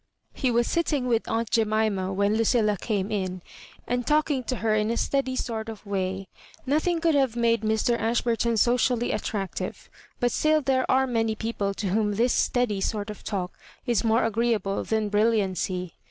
He was sitting with aunt Jemima when Lu cilla came in, and talking to her in a steady sort of way. Nothing could have made Mr. Ashbur ton socially attractive, but still there are many people to whom this steady sort of talk is more ag^reeable than brilliancy.